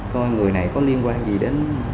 coi người này có liên quan gì đến